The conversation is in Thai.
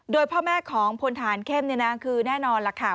โดยพ่อแม่ของพลฐานเข้มคือแน่นอนล่ะค่ะ